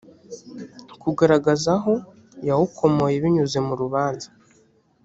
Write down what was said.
kugaragaza aho yawukomoye binyuze mu rubanza